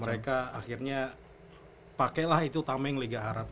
mereka akhirnya pakailah itu utama yang liga arab